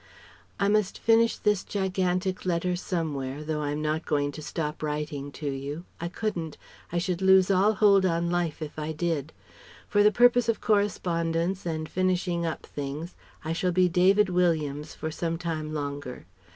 "I must finish this gigantic letter somewhere, though I'm not going to stop writing to you. I couldn't I should lose all hold on life if I did. For the purpose of correspondence and finishing up things, I shall be 'David Williams' for some time longer.